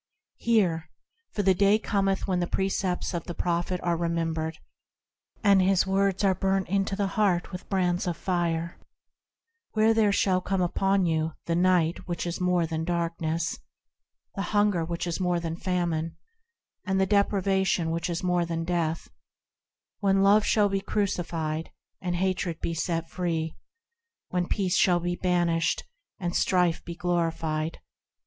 Hear,–for the day cometh when the precepts of the prophet are remembered, And his words are burnt into the heart with brands of fire,– Where there shall come upon you the night which is more than darkness, The hunger which is more than famine, And the deprivation which is more than death, When Love shall be crucified, and hatred be set free, When peace shall be banished, and strife be glorified.